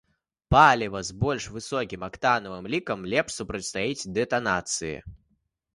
Паліва з больш высокім актанавым лікам лепш супрацьстаіць дэтанацыі.